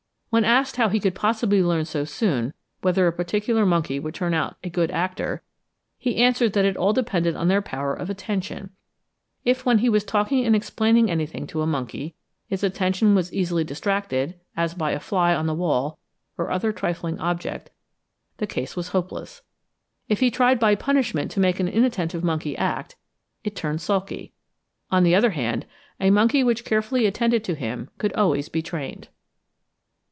When asked how he could possibly learn so soon, whether a particular monkey would turn out a good actor, he answered that it all depended on their power of attention. If when he was talking and explaining anything to a monkey, its attention was easily distracted, as by a fly on the wall or other trifling object, the case was hopeless. If he tried by punishment to make an inattentive monkey act, it turned sulky. On the other hand, a monkey which carefully attended to him could always be trained.